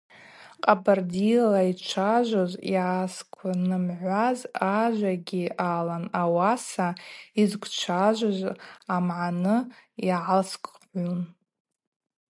Къабардыйала йъачважвуз йгӏасгвнымгӏвуаз ажвагьи алан, ауаса йызквчважвуз амагӏны гӏалскӏгӏун.